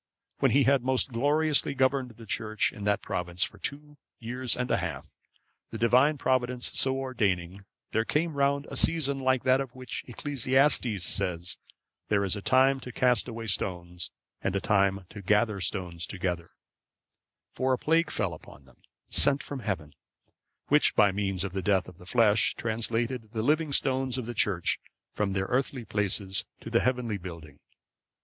When he had most gloriously governed the church in that province for two years and a half, the Divine Providence so ordaining, there came round a season like that of which Ecclesiastes says, "That there is a time to cast away stones, and a time to gather stones together;"(548) for a plague fell upon them, sent from Heaven, which, by means of the death of the flesh, translated the living stones of the Church from their earthly places to the heavenly building.